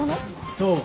どう？